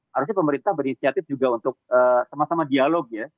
harusnya pemerintah berinisiatif juga untuk sama sama dialog ya